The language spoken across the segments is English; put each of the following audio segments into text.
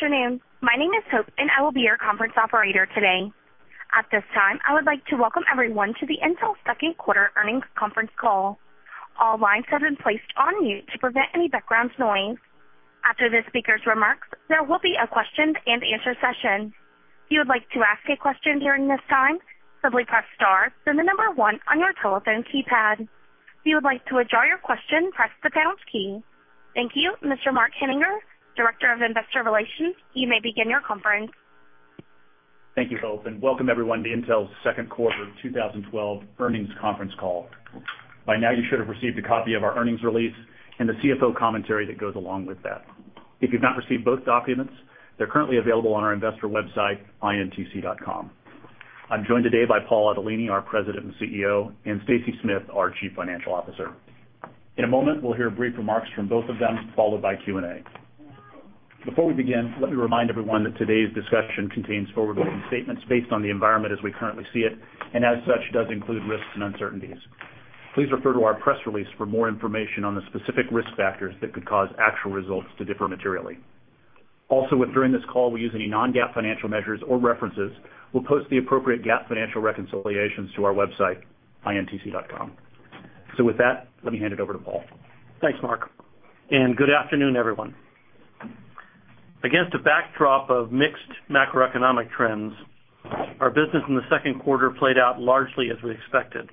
Good afternoon. My name is Hope, and I will be your conference operator today. At this time, I would like to welcome everyone to the Intel second quarter earnings conference call. All lines have been placed on mute to prevent any background noise. After the speakers' remarks, there will be a question and answer session. If you would like to ask a question during this time, simply press star, then the number one on your telephone keypad. If you would like to withdraw your question, press the pound key. Thank you. Mr. Mark Henninger, Director of Investor Relations, you may begin your conference. Thank you, Hope, and welcome everyone to Intel's second quarter 2012 earnings conference call. By now, you should have received a copy of our earnings release and the CFO commentary that goes along with that. If you've not received both documents, they're currently available on our investor website, intc.com. I'm joined today by Paul Otellini, our President and CEO, and Stacy Smith, our Chief Financial Officer. In a moment, we'll hear brief remarks from both of them, followed by Q&A. Before we begin, let me remind everyone that today's discussion contains forward-looking statements based on the environment as we currently see it, and as such, does include risks and uncertainties. Please refer to our press release for more information on the specific risk factors that could cause actual results to differ materially. Also, if during this call we use any non-GAAP financial measures or references, we'll post the appropriate GAAP financial reconciliations to our website, intc.com. With that, let me hand it over to Paul. Thanks, Mark, and good afternoon, everyone. Against a backdrop of mixed macroeconomic trends, our business in the second quarter played out largely as we expected.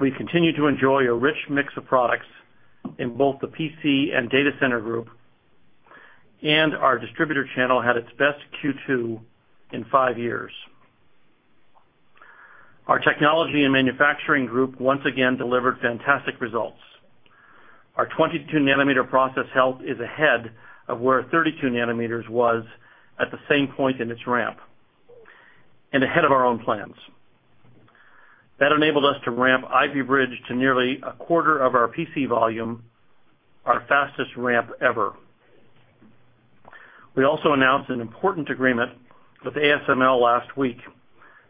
We continue to enjoy a rich mix of products in both the PC and Data Center Group, and our distributor channel had its best Q2 in five years. Our technology and manufacturing group once again delivered fantastic results. Our 22-nanometer process health is ahead of where 32 nanometers was at the same point in its ramp, and ahead of our own plans. That enabled us to ramp Ivy Bridge to nearly a quarter of our PC volume, our fastest ramp ever. We also announced an important agreement with ASML last week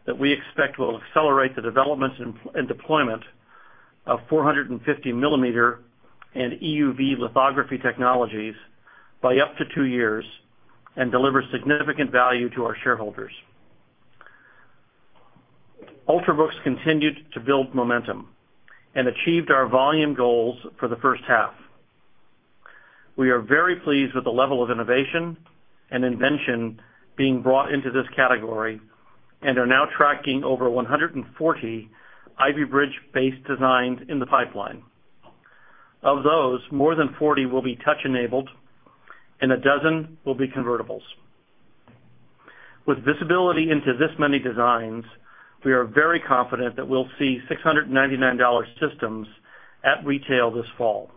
that we expect will accelerate the development and deployment of 450mm and EUV lithography technologies by up to two years and deliver significant value to our shareholders. Ultrabooks continued to build momentum and achieved our volume goals for the first half. We are very pleased with the level of innovation and invention being brought into this category and are now tracking over 140 Ivy Bridge-based designs in the pipeline. Of those, more than 40 will be touch-enabled and a dozen will be convertibles. With visibility into this many designs, we are very confident that we'll see $699 systems at retail this fall.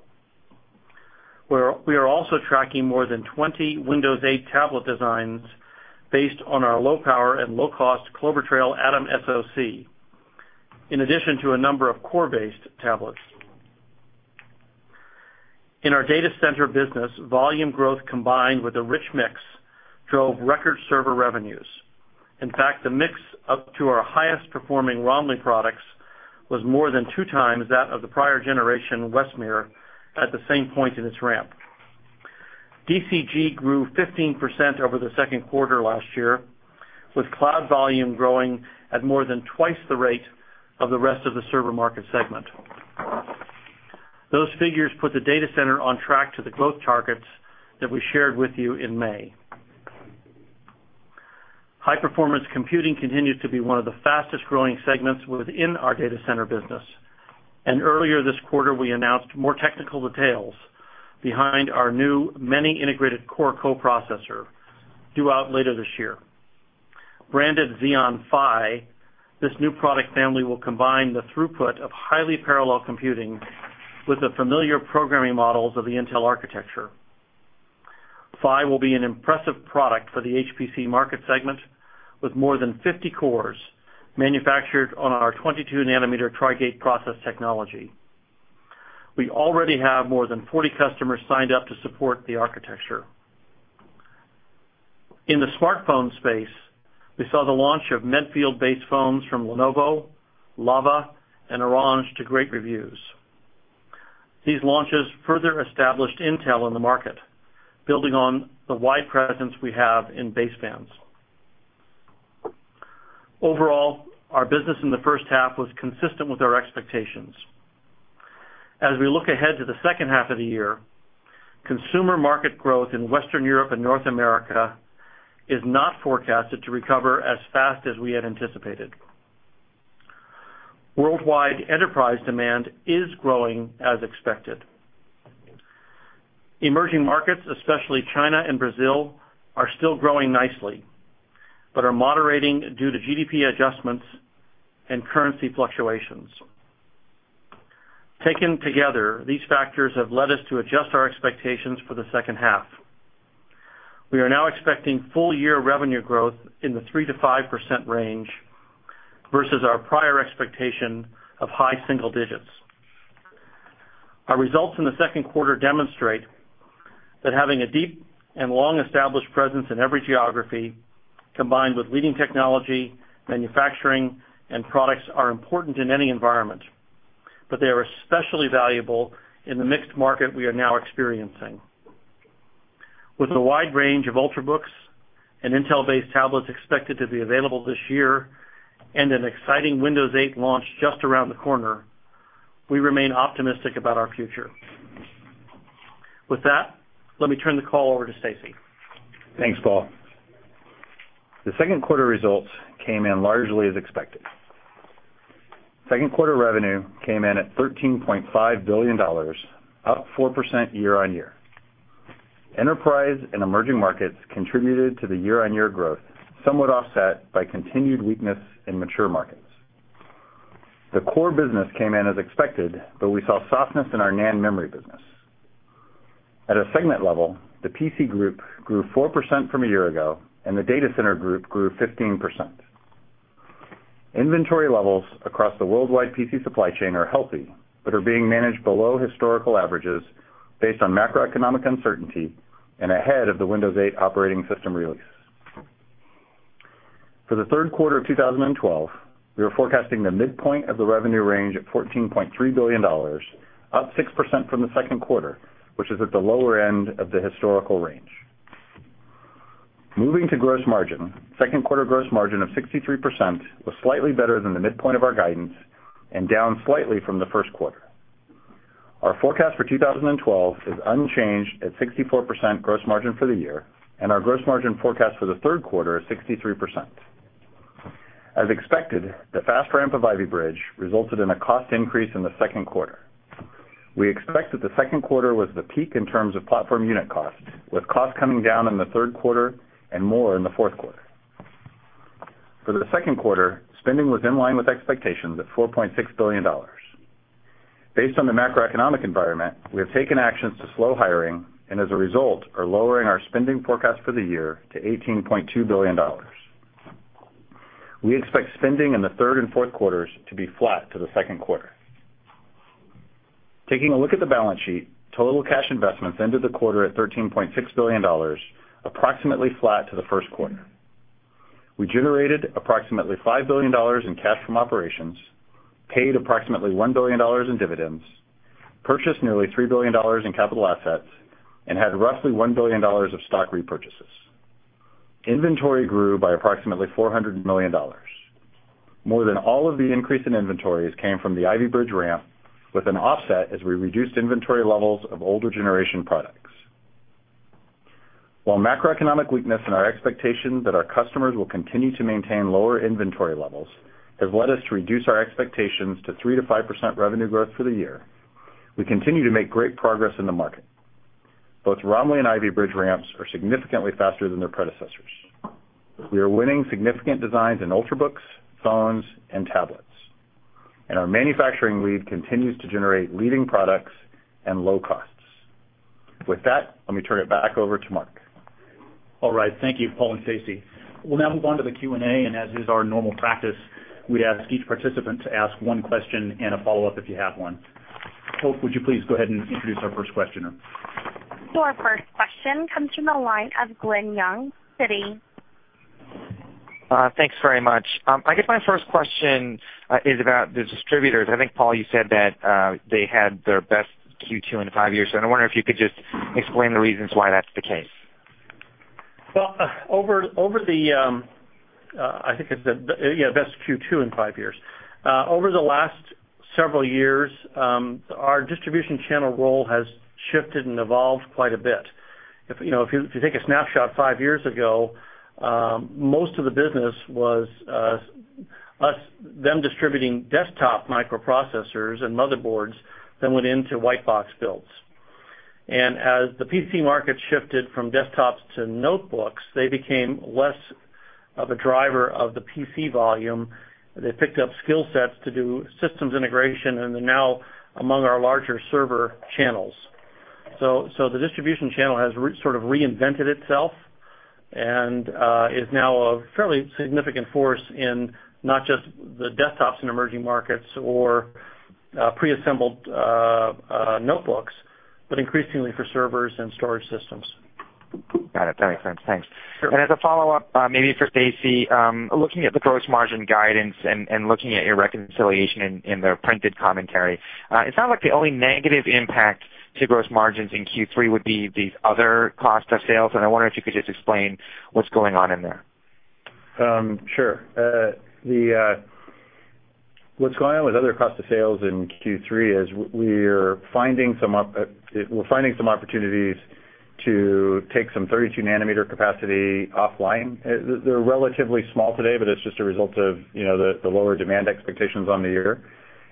We are also tracking more than 20 Windows 8 tablet designs based on our low-power and low-cost Clover Trail Atom SoC, in addition to a number of Core-based tablets. In our data center business, volume growth combined with a rich mix drove record server revenues. In fact, the mix up to our highest-performing Romley products was more than two times that of the prior generation, Westmere, at the same point in its ramp. DCG grew 15% over the second quarter last year, with cloud volume growing at more than twice the rate of the rest of the server market segment. Those figures put the data center on track to the growth targets that we shared with you in May. High-performance computing continues to be one of the fastest-growing segments within our data center business. Earlier this quarter, we announced more technical details behind our new many integrated core co-processor due out later this year. Branded Xeon Phi, this new product family will combine the throughput of highly parallel computing with the familiar programming models of the Intel architecture. Phi will be an impressive product for the HPC market segment, with more than 50 cores manufactured on our 22-nanometer Tri-Gate process technology. We already have more than 40 customers signed up to support the architecture. In the smartphone space, we saw the launch of Medfield-based phones from Lenovo, Lava, and Orange to great reviews. These launches further established Intel in the market, building on the wide presence we have in basebands. Overall, our business in the first half was consistent with our expectations. We look ahead to the second half of the year, consumer market growth in Western Europe and North America is not forecasted to recover as fast as we had anticipated. Worldwide enterprise demand is growing as expected. Emerging markets, especially China and Brazil, are still growing nicely, but are moderating due to GDP adjustments and currency fluctuations. Taken together, these factors have led us to adjust our expectations for the second half. We are now expecting full-year revenue growth in the 3%-5% range versus our prior expectation of high single digits. Our results in the second quarter demonstrate that having a deep and long-established presence in every geography, combined with leading technology, manufacturing, and products, are important in any environment. They are especially valuable in the mixed market we are now experiencing. With a wide range of Ultrabooks and Intel-based tablets expected to be available this year, and an exciting Windows 8 launch just around the corner, we remain optimistic about our future. With that, let me turn the call over to Stacy. Thanks, Paul. The second quarter results came in largely as expected. Second quarter revenue came in at $13.5 billion, up 4% year-on-year. Enterprise and emerging markets contributed to the year-on-year growth, somewhat offset by continued weakness in mature markets. The core business came in as expected, but we saw softness in our NAND memory business. At a segment level, the PC group grew 4% from a year ago, and the Data Center Group grew 15%. Inventory levels across the worldwide PC supply chain are healthy, but are being managed below historical averages based on macroeconomic uncertainty and ahead of the Windows 8 operating system release. For the third quarter of 2012, we are forecasting the midpoint of the revenue range at $14.3 billion, up 6% from the second quarter, which is at the lower end of the historical range. Moving to gross margin, second quarter gross margin of 63% was slightly better than the midpoint of our guidance and down slightly from the first quarter. Our forecast for 2012 is unchanged at 64% gross margin for the year, and our gross margin forecast for the third quarter is 63%. As expected, the fast ramp of Ivy Bridge resulted in a cost increase in the second quarter. We expect that the second quarter was the peak in terms of platform unit cost, with cost coming down in the third quarter and more in the fourth quarter. For the second quarter, spending was in line with expectations at $4.6 billion. Based on the macroeconomic environment, we have taken actions to slow hiring, and as a result, are lowering our spending forecast for the year to $18.2 billion. We expect spending in the third and fourth quarters to be flat to the second quarter. Taking a look at the balance sheet, total cash investments ended the quarter at $13.6 billion, approximately flat to the first quarter. We generated approximately $5 billion in cash from operations, paid approximately $1 billion in dividends, purchased nearly $3 billion in capital assets, and had roughly $1 billion of stock repurchases. Inventory grew by approximately $400 million. More than all of the increase in inventories came from the Ivy Bridge ramp, with an offset as we reduced inventory levels of older generation products. While macroeconomic weakness and our expectation that our customers will continue to maintain lower inventory levels have led us to reduce our expectations to 3%-5% revenue growth for the year, we continue to make great progress in the market. Both Romley and Ivy Bridge ramps are significantly faster than their predecessors. We are winning significant designs in Ultrabooks, phones, and tablets. Our manufacturing lead continues to generate leading products and low costs. With that, let me turn it back over to Mark. All right. Thank you, Paul and Stacy. We'll now move on to the Q&A, and as is our normal practice, we ask each participant to ask one question and a follow-up if you have one. Hope, would you please go ahead and introduce our first questioner? Our first question comes from the line of Glen Yeung, Citi. Thanks very much. I guess my first question is about the distributors. I think, Paul, you said that they had their best Q2 in five years, and I wonder if you could just explain the reasons why that's the case. Well, over the, I think it's the, yeah, best Q2 in five years. Over the last several years, our distribution channel role has shifted and evolved quite a bit. If you take a snapshot five years ago, most of the business was them distributing desktop microprocessors and motherboards that went into white box builds. As the PC market shifted from desktops to notebooks, they became less of a driver of the PC volume. They picked up skill sets to do systems integration and are now among our larger server channels. The distribution channel has sort of reinvented itself and is now a fairly significant force in not just the desktops in emerging markets or preassembled notebooks, but increasingly for servers and storage systems. Got it. That makes sense. Thanks. Sure. As a follow-up, maybe for Stacy, looking at the gross margin guidance and looking at your reconciliation in the printed commentary, it's not like the only negative impact to gross margins in Q3 would be these other cost of sales, and I wonder if you could just explain what's going on in there. Sure. What's going on with other cost of sales in Q3 is we're finding some opportunities to take some 32 nanometer capacity offline. They're relatively small today, but it's just a result of the lower demand expectations on the year.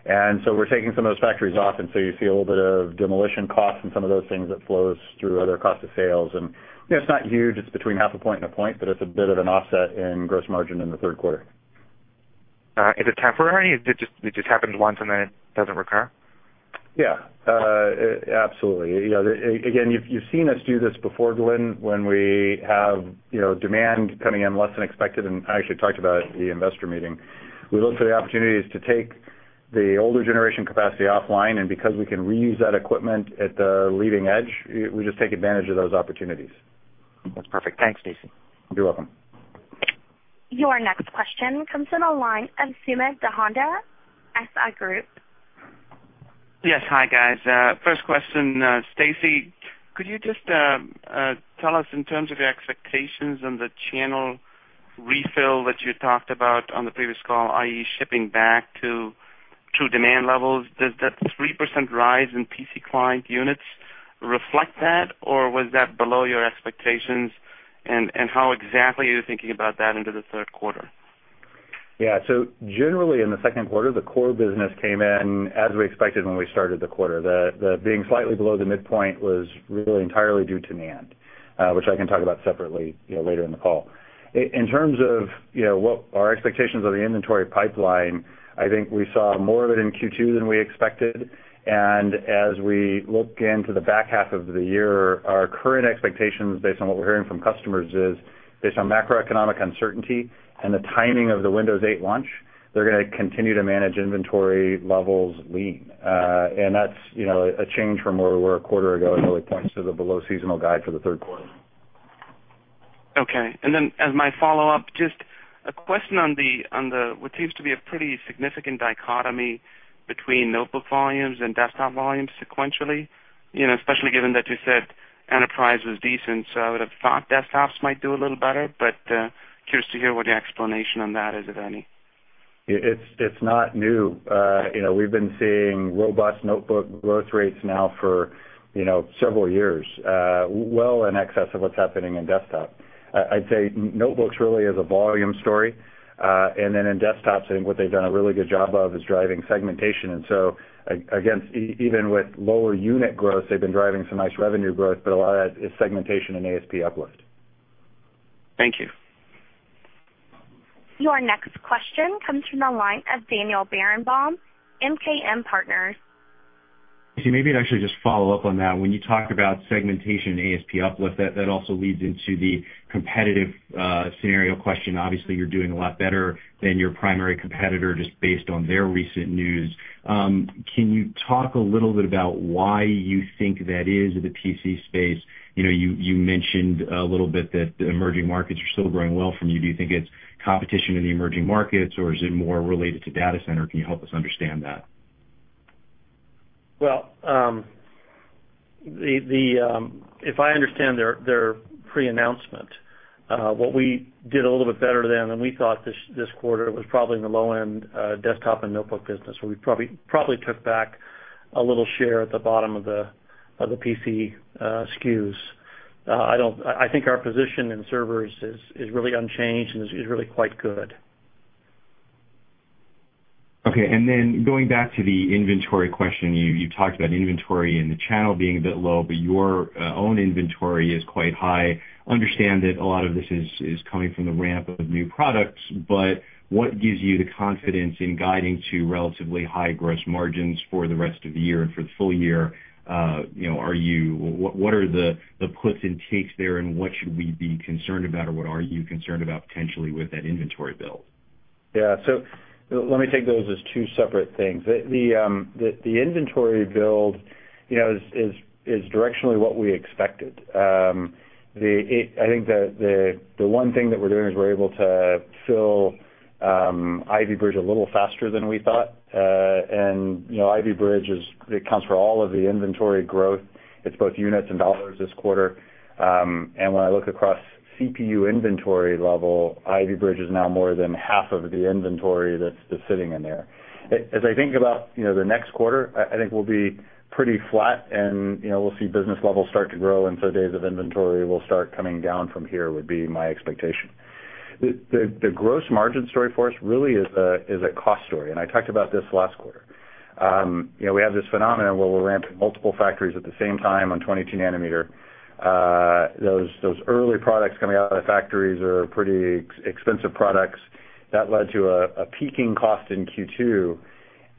We're taking some of those factories off, so you see a little bit of demolition costs and some of those things that flows through other cost of sales. It's not huge. It's between half a point and a point, but it's a bit of an offset in gross margin in the third quarter. Is it temporary? It just happens once and then it doesn't recur? Yeah. Absolutely. Again, you've seen us do this before, Glen, when we have demand coming in less than expected, and I actually talked about it at the investor meeting. We look for the opportunities to take the older generation capacity offline, and because we can reuse that equipment at the leading edge, we just take advantage of those opportunities. That's perfect. Thanks, Stacy. You're welcome. Your next question comes from the line of Sumedh Thakar, ISI Group. Yes. Hi, guys. First question, Stacy, could you just tell us in terms of your expectations on the channel refill that you talked about on the previous call, i.e., shipping back to true demand levels, does that 3% rise in PC client units reflect that, or was that below your expectations? How exactly are you thinking about that into the third quarter? Yeah. Generally, in the second quarter, the core business came in as we expected when we started the quarter. The being slightly below the midpoint was really entirely due to NAND, which I can talk about separately later in the call. In terms of what our expectations of the inventory pipeline, I think we saw more of it in Q2 than we expected, as we look into the back half of the year, our current expectations, based on what we're hearing from customers, is based on macroeconomic uncertainty and the timing of the Windows 8 launch, they're going to continue to manage inventory levels lean. That's a change from where we were a quarter ago and really points to the below-seasonal guide for the third quarter. Okay. As my follow-up, just a question on the, what seems to be a pretty significant dichotomy between notebook volumes and desktop volumes sequentially, especially given that you said enterprise was decent, I would've thought desktops might do a little better, curious to hear what your explanation on that is, if any. It's not new. We've been seeing robust notebook growth rates now for several years, well in excess of what's happening in desktop. I'd say notebooks really is a volume story. In desktops, I think what they've done a really good job of is driving segmentation. Again, even with lower unit growth, they've been driving some nice revenue growth, a lot of that is segmentation and ASP uplift. Thank you. Your next question comes from the line of Daniel Berenbaum, MKM Partners. Stacy, maybe I'd actually just follow up on that. When you talk about segmentation and ASP uplift, that also leads into the competitive scenario question. Obviously, you're doing a lot better than your primary competitor, just based on their recent news. Can you talk a little bit about why you think that is in the PC space? You mentioned a little bit that the emerging markets are still growing well for you. Do you think it's competition in the emerging markets, or is it more related to data center? Can you help us understand that? Well, if I understand their pre-announcement, what we did a little bit better than we thought this quarter was probably in the low-end desktop and notebook business, where we probably took back a little share at the bottom of the PC SKUs. I think our position in servers is really unchanged and is really quite good. Okay. Going back to the inventory question, you talked about inventory in the channel being a bit low, but your own inventory is quite high. Understand that a lot of this is coming from the ramp of new products, but what gives you the confidence in guiding to relatively high gross margins for the rest of the year and for the full year? What are the puts and takes there, and what should we be concerned about, or what are you concerned about potentially with that inventory build? Yeah. Let me take those as two separate things. The inventory build is directionally what we expected. I think the one thing that we're doing is we're able to fill Ivy Bridge a little faster than we thought. Ivy Bridge accounts for all of the inventory growth. It's both units and dollars this quarter. When I look across CPU inventory level, Ivy Bridge is now more than half of the inventory that's sitting in there. As I think about the next quarter, I think we'll be pretty flat, and we'll see business levels start to grow, days of inventory will start coming down from here, would be my expectation. The gross margin story for us really is a cost story, I talked about this last quarter. We have this phenomenon where we're ramping multiple factories at the same time on 22-nanometer. Those early products coming out of the factories are pretty expensive products. That led to a peaking cost in Q2.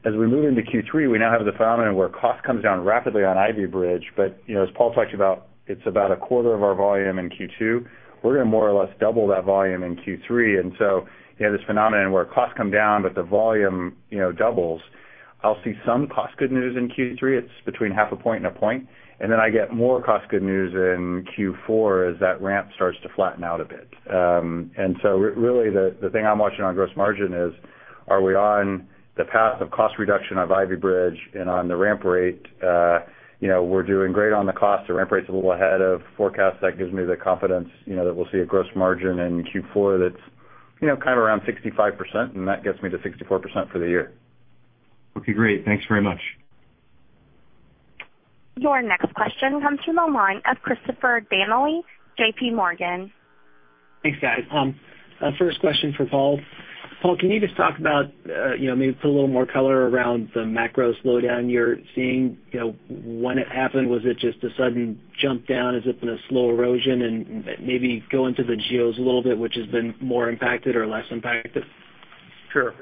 As we move into Q3, we now have the phenomenon where cost comes down rapidly on Ivy Bridge, but as Paul talked about, it's about a quarter of our volume in Q2. We're going to more or less double that volume in Q3. You have this phenomenon where costs come down, but the volume doubles. I'll see some cost-good news in Q3. It's between half a point and a point. I get more cost-good news in Q4 as that ramp starts to flatten out a bit. Really, the thing I'm watching on gross margin is, are we on the path of cost reduction of Ivy Bridge and on the ramp rate? We're doing great on the cost. The ramp rate's a little ahead of forecast. That gives me the confidence that we'll see a gross margin in Q4 that's kind of around 65%, that gets me to 64% for the year. Okay, great. Thanks very much. Your next question comes from the line of Christopher Danely, J.P. Morgan. Thanks, guys. First question for Paul. Paul, can you just talk about, maybe put a little more color around the macro slowdown you're seeing, when it happened? Was it just a sudden jump down? Has it been a slow erosion? Maybe go into the geos a little bit, which has been more impacted or less impacted? Sure.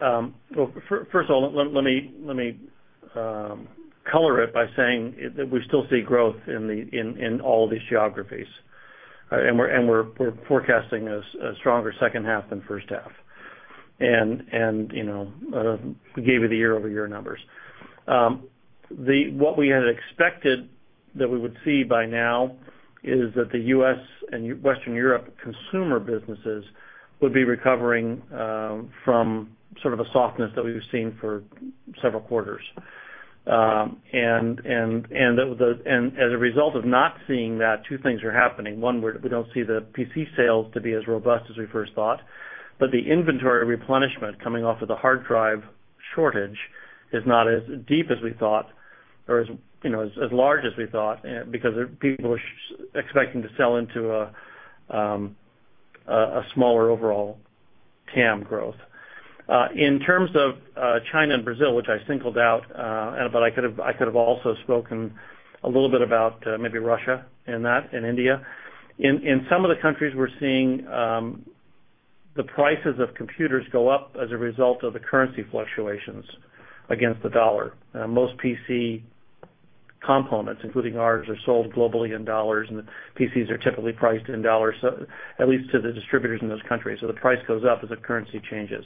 Well, first of all, let me color it by saying that we still see growth in all these geographies. We're forecasting a stronger second half than first half. We gave you the year-over-year numbers. What we had expected that we would see by now is that the U.S. and Western Europe consumer businesses would be recovering from a softness that we've seen for several quarters. As a result of not seeing that, two things are happening. One, we don't see the PC sales to be as robust as we first thought, the inventory replenishment coming off of the hard drive shortage is not as deep as we thought or as large as we thought, because people are expecting to sell into a smaller overall TAM growth. In terms of China and Brazil, which I singled out, but I could have also spoken a little bit about maybe Russia and India. In some of the countries, we're seeing the prices of computers go up as a result of the currency fluctuations against the U.S. dollar. Most PC components, including ours, are sold globally in U.S. dollars, and PCs are typically priced in U.S. dollars, at least to the distributors in those countries. The price goes up as the currency changes.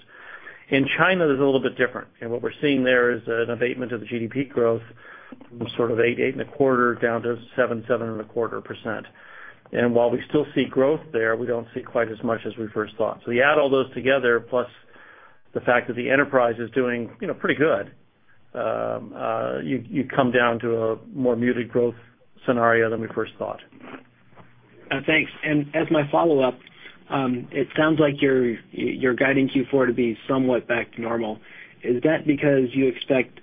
In China, it's a little bit different, and what we're seeing there is an abatement of the GDP growth from 8.25% down to 7.25%. While we still see growth there, we don't see quite as much as we first thought. You add all those together, plus the fact that the enterprise is doing pretty good, you come down to a more muted growth scenario than we first thought. Thanks. As my follow-up, it sounds like you're guiding Q4 to be somewhat back to normal. Is that because you expect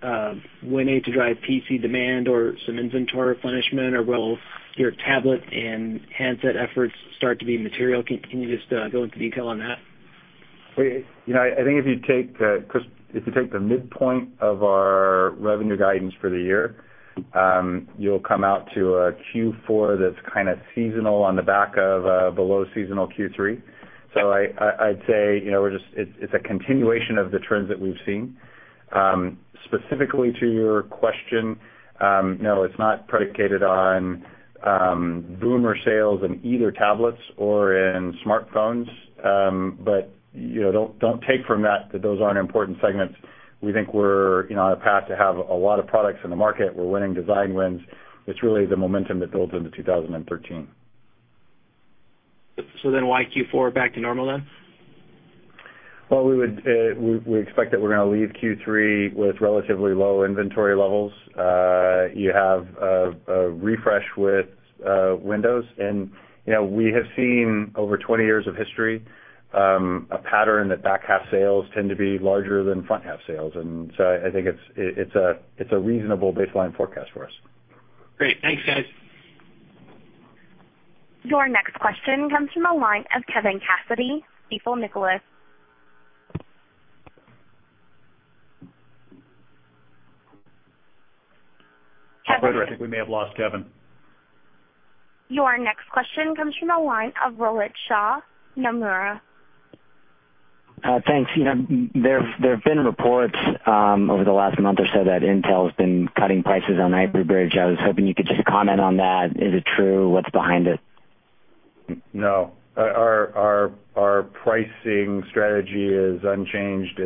Windows 8 to drive PC demand or some inventory replenishment, or will your tablet and handset efforts start to be material? Can you just go into detail on that? I think if you take the midpoint of our revenue guidance for the year, you'll come out to a Q4 that's seasonal on the back of a below seasonal Q3. I'd say, it's a continuation of the trends that we've seen. Specifically to your question, no, it's not predicated on boomer sales in either tablets or in smartphones. Don't take from that those aren't important segments. We think we're on a path to have a lot of products in the market. We're winning design wins. It's really the momentum that builds into 2013. Why Q4 back to normal then? We expect that we're going to leave Q3 with relatively low inventory levels. You have a refresh with Windows, and we have seen over 20 years of history, a pattern that back half sales tend to be larger than front half sales. I think it's a reasonable baseline forecast for us. Great. Thanks, guys. Your next question comes from the line of Kevin Cassidy, Stifel Nicolaus. I think we may have lost Kevin. Your next question comes from the line of Romit Shah, Nomura. Thanks. There have been reports over the last month or so that Intel has been cutting prices on Ivy Bridge. I was hoping you could just comment on that. Is it true? What's behind it? No. Our pricing strategy is unchanged.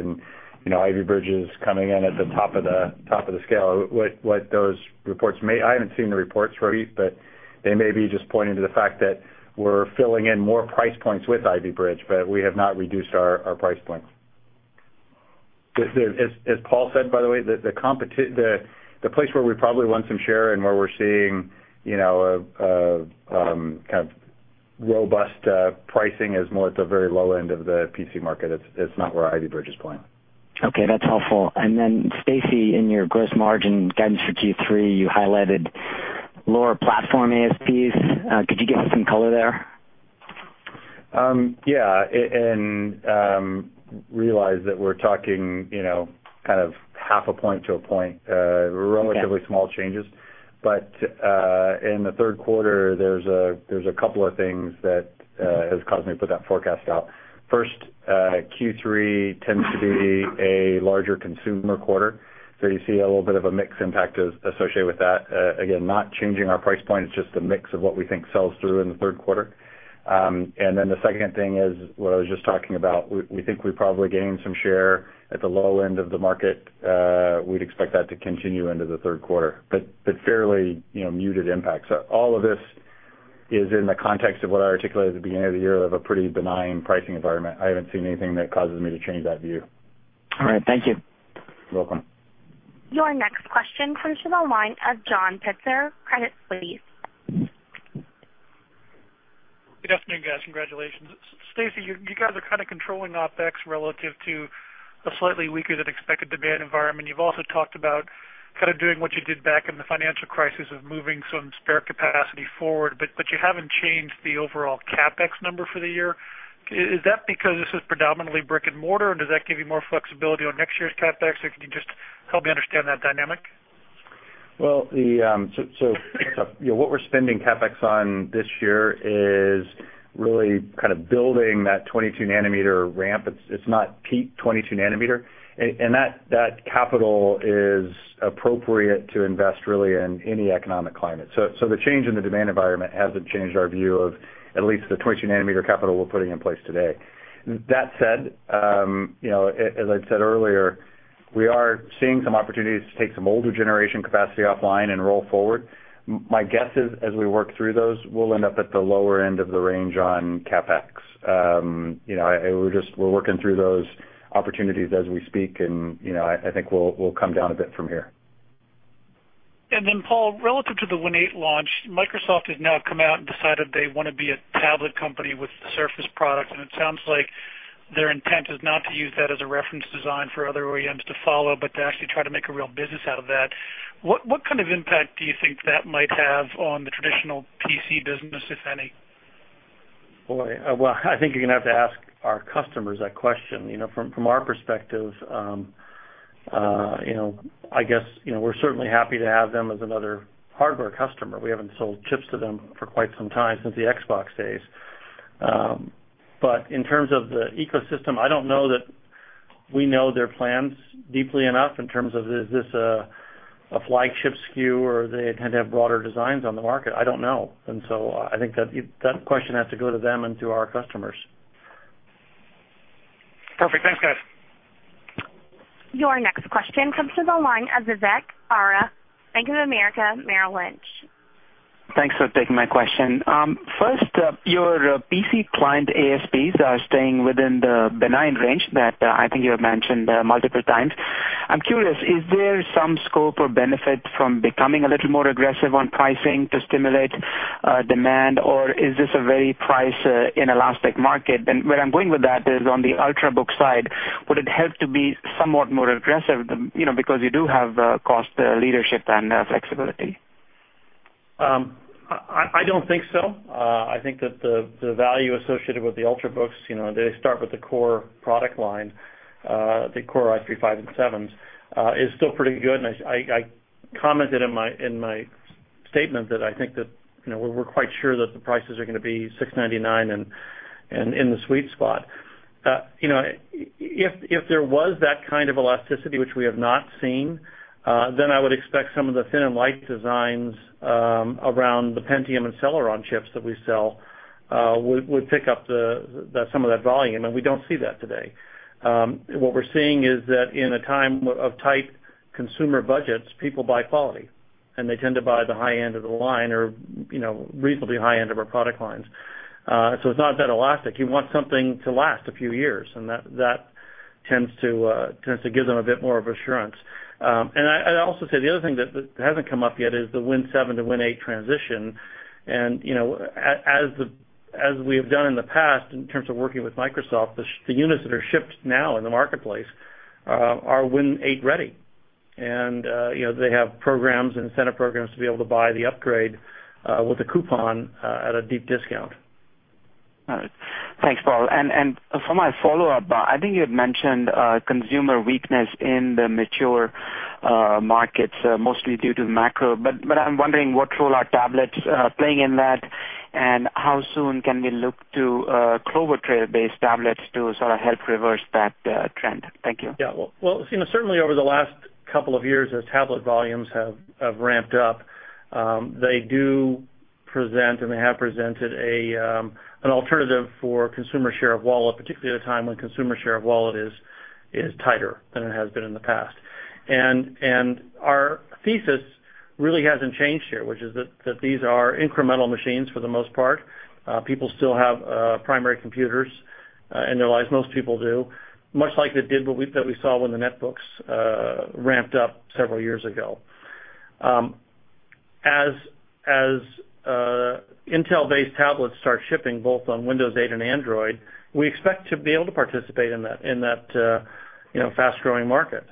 Ivy Bridge is coming in at the top of the scale. I haven't seen the reports, Romit. They may be just pointing to the fact that we're filling in more price points with Ivy Bridge. We have not reduced our price points. As Paul said, by the way, the place where we probably want some share and where we're seeing a robust pricing is more at the very low end of the PC market. It's not where Ivy Bridge is playing. Okay, that's helpful. Stacy, in your gross margin guidance for Q3, you highlighted lower platform ASPs. Could you give us some color there? Yeah, realize that we're talking half a point to a point, relatively small changes. In the third quarter, there's a couple of things that has caused me to put that forecast out. First, Q3 tends to be a larger consumer quarter, so you see a little bit of a mix impact associated with that. Again, not changing our price point, it's just a mix of what we think sells through in the third quarter. The second thing is what I was just talking about. We think we probably gained some share at the low end of the market. We'd expect that to continue into the third quarter, but fairly muted impact. All of this is in the context of what I articulated at the beginning of the year of a pretty benign pricing environment. I haven't seen anything that causes me to change that view. All right. Thank you. You're welcome. Your next question comes from the line of John Pitzer, Credit Suisse. Good afternoon, guys. Congratulations. Stacy, you guys are controlling OpEx relative to a slightly weaker than expected demand environment. You've also talked about doing what you did back in the financial crisis of moving some spare capacity forward, but you haven't changed the overall CapEx number for the year. Is that because this is predominantly brick and mortar, or does that give you more flexibility on next year's CapEx, or can you just help me understand that dynamic? What we're spending CapEx on this year is really building that 22-nanometer ramp. It's not peak 22-nanometer, and that capital is appropriate to invest really in any economic climate. The change in the demand environment hasn't changed our view of at least the 22-nanometer capital we're putting in place today. That said, as I've said earlier, we are seeing some opportunities to take some older generation capacity offline and roll forward. My guess is, as we work through those, we'll end up at the lower end of the range on CapEx. We're working through those opportunities as we speak, and I think we'll come down a bit from here. Paul, relative to the Windows 8 launch, Microsoft has now come out and decided they want to be a tablet company with the Surface product, and it sounds like their intent is not to use that as a reference design for other OEMs to follow, but to actually try to make a real business out of that. What kind of impact do you think that might have on the traditional PC business, if any? Boy. Well, I think you're going to have to ask our customers that question. From our perspective, I guess we're certainly happy to have them as another hardware customer. We haven't sold chips to them for quite some time, since the Xbox days. In terms of the ecosystem, I don't know that we know their plans deeply enough in terms of, is this a flagship SKU, or they intend to have broader designs on the market? I don't know. I think that question has to go to them and to our customers. Perfect. Thanks, guys. Your next question comes to the line of Vivek Arya, Bank of America Merrill Lynch. Thanks for taking my question. First, your PC Client ASPs are staying within the benign range that I think you have mentioned multiple times. I'm curious, is there some scope or benefit from becoming a little more aggressive on pricing to stimulate demand, or is this a very price inelastic market? Where I'm going with that is on the Ultrabook side, would it help to be somewhat more aggressive, because you do have cost leadership and flexibility? I don't think so. I think that the value associated with the Ultrabooks, they start with the Core product line, the Core i3, 5, and 7s, is still pretty good. I commented in my statement that I think that we're quite sure that the prices are going to be $699 and in the sweet spot. If there was that kind of elasticity, which we have not seen, then I would expect some of the thin and light designs around the Pentium and Celeron chips that we sell would pick up some of that volume, and we don't see that today. What we're seeing is that in a time of tight consumer budgets, people buy quality, and they tend to buy the high end of the line or reasonably high end of our product lines. It's not that elastic. You want something to last a few years, and that tends to give them a bit more of assurance. I'd also say the other thing that hasn't come up yet is the Windows 7 to Win 8 transition. As we have done in the past, in terms of working with Microsoft, the units that are shipped now in the marketplace are Win 8 ready. They have programs and incentive programs to be able to buy the upgrade with a coupon at a deep discount. All right. Thanks, Paul. For my follow-up, I think you had mentioned consumer weakness in the mature markets, mostly due to macro, but I'm wondering what role are tablets playing in that, and how soon can we look to Clover Trail-based tablets to sort of help reverse that trend? Thank you. Yeah. Well, certainly over the last couple of years, as tablet volumes have ramped up, they do present, and they have presented an alternative for consumer share of wallet, particularly at a time when consumer share of wallet is tighter than it has been in the past. Our thesis really hasn't changed here, which is that these are incremental machines, for the most part. People still have primary computers in their lives, most people do, much like that we saw when the netbooks ramped up several years ago. As Intel-based tablets start shipping both on Windows 8 and Android, we expect to be able to participate in that fast-growing market.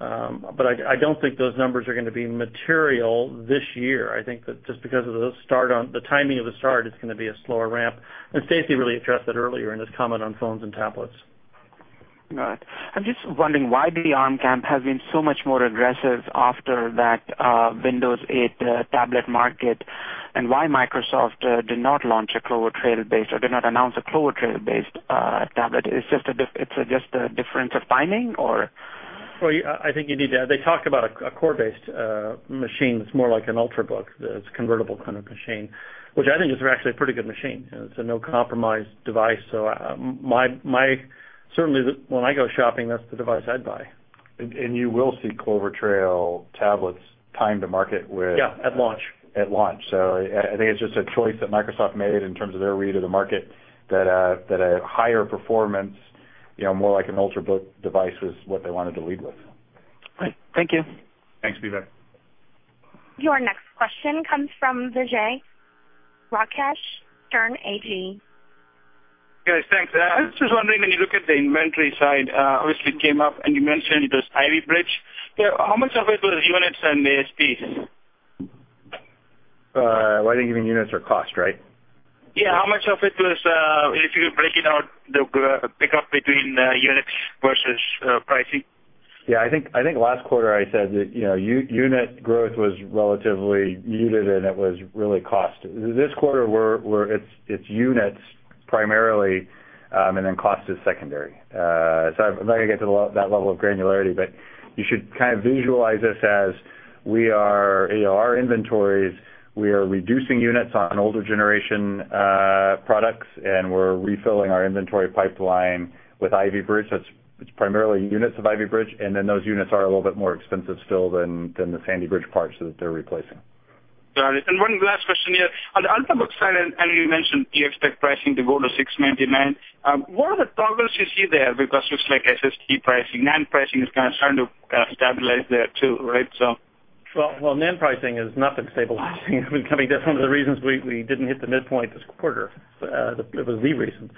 I don't think those numbers are going to be material this year. I think that just because of the timing of the start, it's going to be a slower ramp, and Stacy really addressed that earlier in his comment on phones and tablets. All right. I'm just wondering why the ARM camp has been so much more aggressive after that Windows 8 tablet market, why Microsoft did not launch a Clover Trail-based or did not announce a Clover Trail-based tablet. It's just a difference of timing, or? Well, they talk about a Core-based machine that's more like an Ultrabook, that's a convertible kind of machine, which I think is actually a pretty good machine. It's a no-compromise device. Certainly, when I go shopping, that's the device I'd buy. You will see Clover Trail tablets time to market with. Yeah, at launch at launch. I think it's just a choice that Microsoft made in terms of their read of the market, that a higher performance, more like an Ultrabook device, is what they wanted to lead with. Great. Thank you. Thanks, Vivek. Your next question comes from Vijay Rakesh, Sterne Agee. Guys, thanks. I was just wondering, when you look at the inventory side, obviously it came up and you mentioned it was Ivy Bridge. How much of it was units and ASPs? Well, I think even units are cost, right? Yeah. How much of it was, if you were breaking out the pickup between units versus pricing? Yeah. I think last quarter I said that unit growth was relatively muted, and it was really cost. This quarter, it's units primarily, and then cost is secondary. I'm not going to get to that level of granularity, but you should visualize this as our inventories, we are reducing units on older generation products, and we're refilling our inventory pipeline with Ivy Bridge. It's primarily units of Ivy Bridge, and then those units are a little bit more expensive still than the Sandy Bridge parts that they're replacing. Got it. One last question here. On the Ultrabook side, I know you mentioned you expect pricing to go to $699. What are the progress you see there? Looks like SSD pricing, NAND pricing is kind of starting to stabilize there too, right? Well, NAND pricing has not been stabilizing. That's one of the reasons we didn't hit the midpoint this quarter. It was the reason.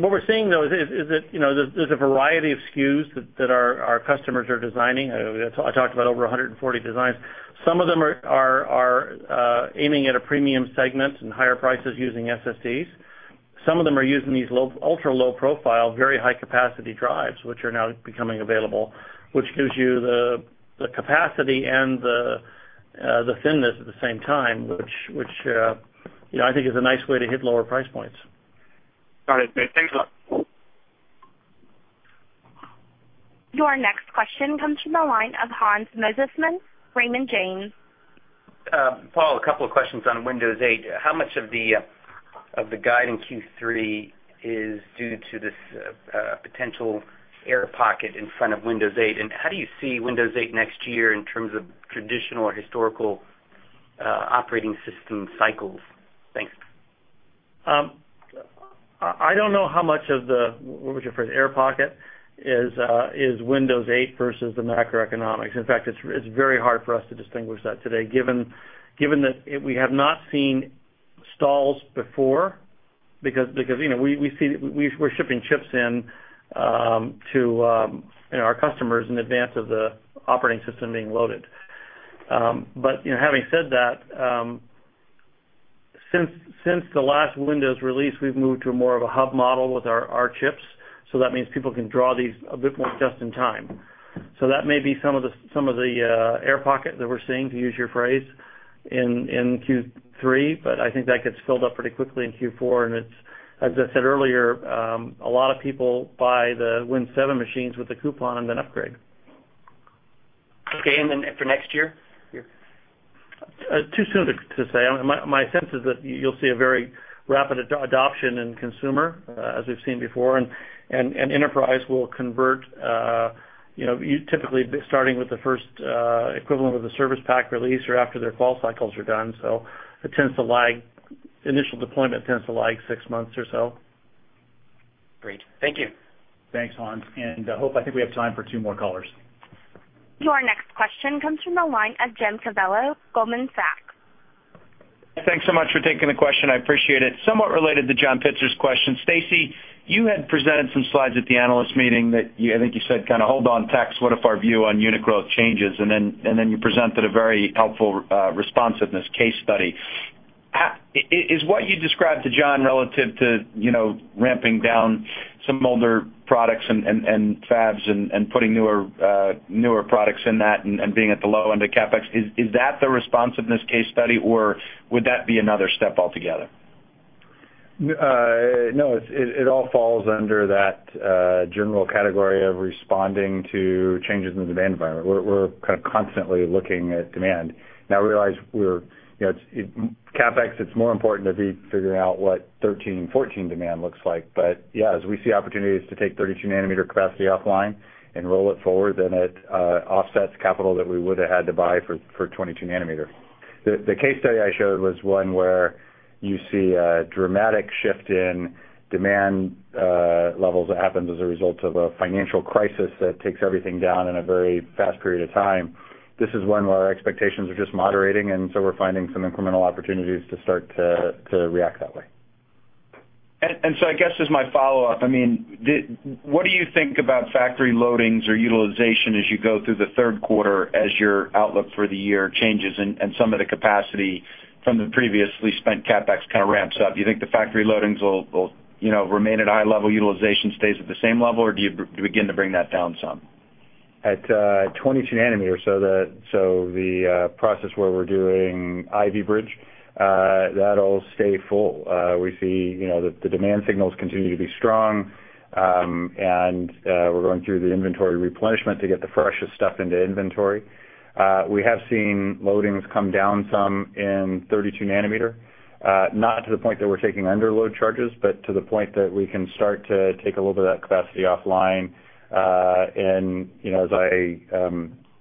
What we're seeing, though, is that there's a variety of SKUs that our customers are designing. I talked about over 140 designs. Some of them are aiming at a premium segment and higher prices using SSDs. Some of them are using these ultra-low profile, very high-capacity drives, which are now becoming available, which gives you the capacity and the thinness at the same time, which I think is a nice way to hit lower price points. Got it. Great. Thanks a lot. Your next question comes from the line of Hans Mosesmann, Raymond James. Paul, a couple of questions on Windows 8. How much of the guide in Q3 is due to this potential air pocket in front of Windows 8? How do you see Windows 8 next year in terms of traditional or historical operating system cycles? Thanks. I don't know how much of the, what would you phrase, air pocket is Windows 8 versus the macroeconomics. In fact, it's very hard for us to distinguish that today, given that we have not seen stalls before, because we're shipping chips in to our customers in advance of the operating system being loaded. Having said that, since the last Windows release, we've moved to more of a hub model with our chips. That means people can draw these a bit more just in time. That may be some of the air pocket that we're seeing, to use your phrase, in Q3, but I think that gets filled up pretty quickly in Q4, as I said earlier, a lot of people buy the Windows 7 machines with a coupon and then upgrade. Okay. Then for next year? Too soon to say. My sense is that you'll see a very rapid adoption in consumer, as we've seen before, and enterprise will convert, typically starting with the first equivalent of the service pack release or after their fall cycles are done. Initial deployment tends to lag six months or so. Great. Thank you. Thanks, Hans. Hope, I think we have time for two more callers. Your next question comes from the line of Jim Covello, Goldman Sachs. Thanks so much for taking the question. I appreciate it. Somewhat related to John Pitzer's question. Stacy, you had presented some slides at the analyst meeting that I think you said kind of, "Hold on, tax. What if our view on unit growth changes?" You presented a very helpful responsiveness case study. Is what you described to John relative to ramping down some older products and fabs and putting newer products in that and being at the low end of CapEx, is that the responsiveness case study, or would that be another step altogether? No, it all falls under that general category of responding to changes in the demand environment. We're kind of constantly looking at demand. Now realize CapEx, it's more important to be figuring out what 2013 and 2014 demand looks like. As we see opportunities to take 32 nanometers capacity offline and roll it forward, then it offsets capital that we would have had to buy for 22-nanometer. The case study I showed was one where you see a dramatic shift in demand levels that happens as a result of a financial crisis that takes everything down in a very fast period of time. This is one where our expectations are just moderating, we're finding some incremental opportunities to start to react that way. I guess as my follow-up, what do you think about factory loadings or utilization as you go through the third quarter as your outlook for the year changes and some of the capacity from the previously spent CapEx kind of ramps up? Do you think the factory loadings will remain at a high level, utilization stays at the same level, or do you begin to bring that down some? At 22-nanometer, so the process where we're doing Ivy Bridge, that'll stay full. We see the demand signals continue to be strong, and we're going through the inventory replenishment to get the freshest stuff into inventory. We have seen loadings come down some in 32 nanometers, not to the point that we're taking underload charges, but to the point that we can start to take a little bit of that capacity offline.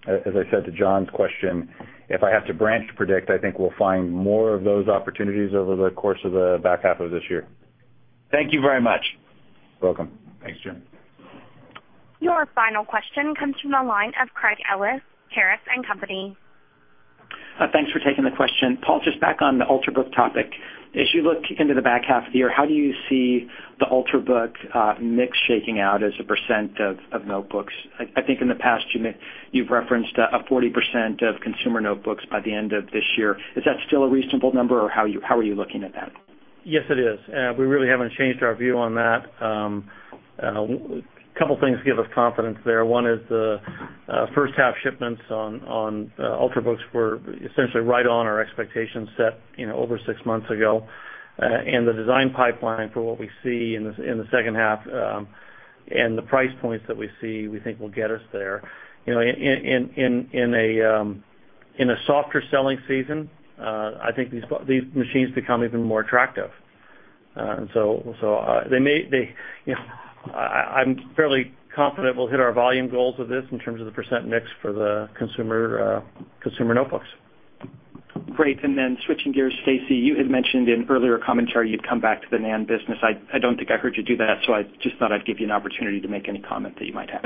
As I said to John's question, if I have to branch predict, I think we'll find more of those opportunities over the course of the back half of this year. Thank you very much. Welcome. Thanks, Jim. Your final question comes from the line of Craig Ellis, Caris Life Sciences. Thanks for taking the question. Paul, just back on the Ultrabook topic. As you look into the back half of the year, how do you see the Ultrabook mix shaking out as a % of notebooks? I think in the past, you've referenced a 40% of consumer notebooks by the end of this year. Is that still a reasonable number, or how are you looking at that? Yes, it is. We really haven't changed our view on that. Couple things give us confidence there. One is the first half shipments on Ultrabooks were essentially right on our expectation set over six months ago. The design pipeline for what we see in the second half, and the price points that we see, we think will get us there. In a softer selling season, I think these machines become even more attractive. I'm fairly confident we'll hit our volume goals with this in terms of the % mix for the consumer notebooks. Great. Switching gears, Stacy, you had mentioned in earlier commentary you'd come back to the NAND business. I don't think I heard you do that, so I just thought I'd give you an opportunity to make any comment that you might have.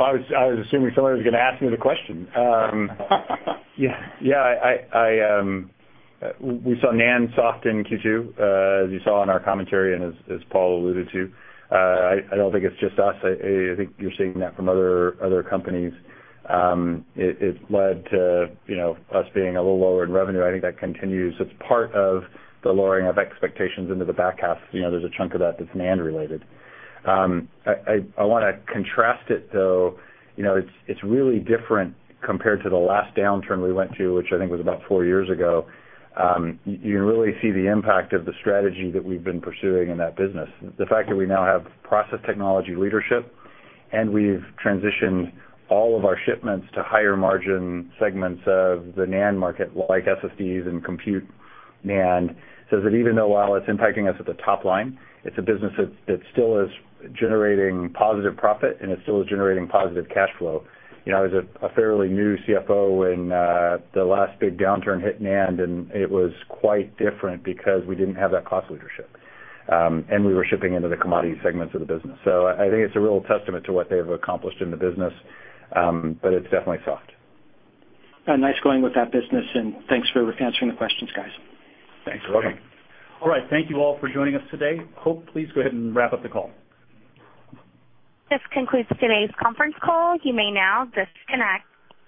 I was assuming someone was going to ask me the question. We saw NAND soft in Q2, as you saw in our commentary and as Paul alluded to. I don't think it's just us. I think you're seeing that from other companies. It led to us being a little lower in revenue. I think that continues. It's part of the lowering of expectations into the back half. There's a chunk of that that's NAND related. I want to contrast it, though. It's really different compared to the last downturn we went to, which I think was about four years ago. You really see the impact of the strategy that we've been pursuing in that business. The fact that we now have process technology leadership, and we've transitioned all of our shipments to higher margin segments of the NAND market, like SSDs and compute NAND. That even though while it's impacting us at the top line, it's a business that still is generating positive profit, and it still is generating positive cash flow. I was a fairly new CFO when the last big downturn hit NAND, and it was quite different because we didn't have that cost leadership. We were shipping into the commodity segments of the business. I think it's a real testament to what they've accomplished in the business, but it's definitely soft. Nice going with that business, and thanks for answering the questions, guys. Thanks. You're welcome. All right. Thank you all for joining us today. Hope, please go ahead and wrap up the call. This concludes today's conference call. You may now disconnect.